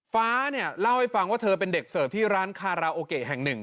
ฟ้าเนี่ยเล่าให้ฟังว่าเธอเป็นเด็กเสิร์ฟที่ร้านคาราโอเกะแห่งหนึ่ง